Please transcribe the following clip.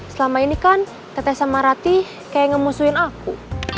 selama ini kan tete sama rati kayak ngemusuhin aku